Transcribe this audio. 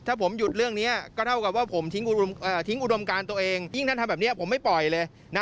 ถ้าผมหยุดเรื่องนี้ก็เท่ากับว่าผมทิ้งอุดมการตัวเองยิ่งท่านทำแบบนี้ผมไม่ปล่อยเลยนะ